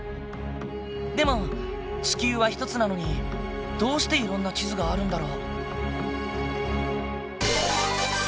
でも地球は１つなのにどうしていろんな地図があるんだろう？